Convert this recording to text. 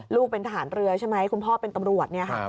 ลูกเป็นทางเรือใช่ไหมคุณพ่อเป็นตำรวจ